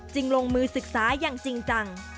ลงมือศึกษาอย่างจริงจัง